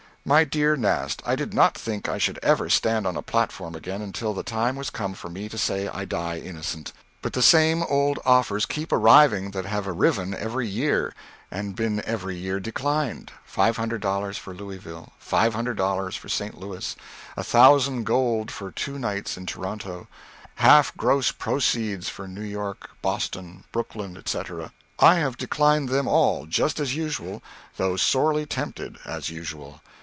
MY DEAR NAST: I did not think I should ever stand on a platform again until the time was come for me to say I die innocent. But the same old offers keep arriving that have arriven every year, and been every year declined $500 for Louisville, $500 for St. Louis, $1,000 gold for two nights in Toronto, half gross proceeds for New York, Boston, Brooklyn, &c. I have declined them all just as usual, though sorely tempted as usual.